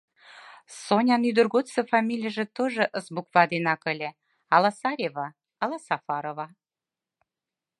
Сонян ӱдыр годсо фамилийже тожо «С» буква денак ыле: ала Сарева, ала Сафарова.